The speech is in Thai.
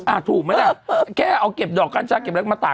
อ่ะถูกไหมล่ะแค่เอาเก็บดอกกัญชาเก็บอะไรมาตาก